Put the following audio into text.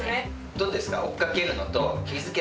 どうですか？